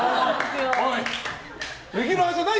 おい！